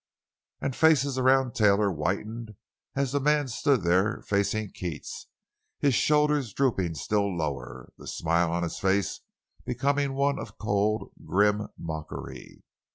And faces around Taylor whitened as the man stood there facing Keats, his shoulders drooping still lower, the smile on his face becoming one of cold, grim mockery.